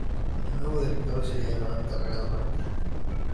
El nuevo director sería Joan Carreras Martí.